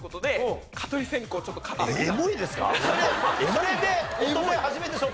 それで。